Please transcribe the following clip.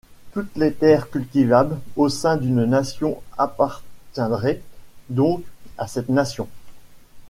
Toutes les terres cultivables au sein d'une nation appartiendraient donc à cette nation.